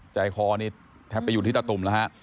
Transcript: ใจคอนี่แทบไปอยู่ที่ตะตุ่มแล้วฮะ